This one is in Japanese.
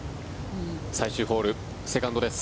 最終ホールセカンドです。